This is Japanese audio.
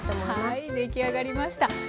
はい出来上がりました。